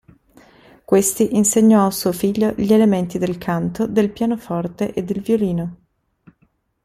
Questi insegnò a suo figlio gli elementi del canto, del pianoforte e del violino.